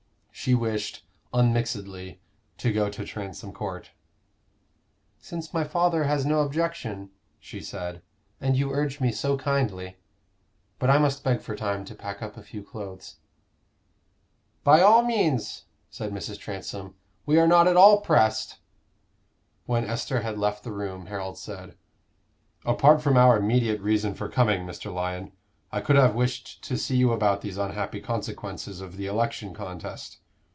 She wished, unmixedly, to go to Transome Court. "Since my father has no objection," she said, "and you urge me so kindly. But I must beg for time to pack up a few clothes." "By all means," said Mrs. Transome. "We are not at all pressed." When Esther had left the room, Harold said, "Apart from our immediate reason for coming, Mr. Lyon, I could have wished to see you about these unhappy consequences of the election contest.